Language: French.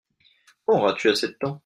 Quand auras-tu assez de temps ?